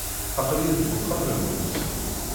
Aql-iyi deg uxxam-nwent.